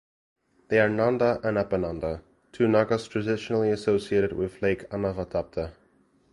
They are Nanda and Upananda, two nagas traditionally associated with Lake Anavatapta.